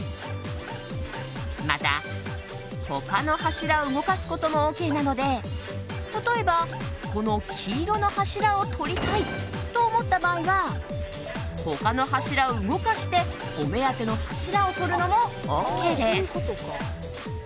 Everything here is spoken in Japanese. また、他の柱を動かすこともＯＫなので例えば、この黄色の柱を取りたいと思った場合は他の柱を動かしてお目当ての柱を取るのもＯＫです。